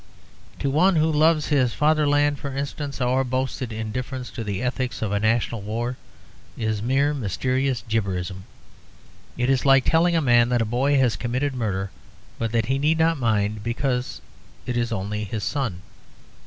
To one who loves his fatherland, for instance, our boasted indifference to the ethics of a national war is mere mysterious gibberism. It is like telling a man that a boy has committed murder, but that he need not mind because it is only his son.